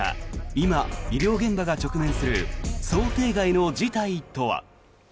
今、医療現場が直面する想定外の事態とは。